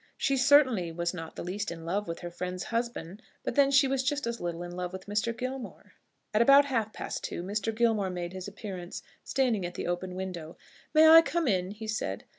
She certainly was not the least in love with her friend's husband; but then she was just as little in love with Mr. Gilmore. At about half past two Mr. Gilmore made his appearance, standing at the open window. "May I come in?" he said.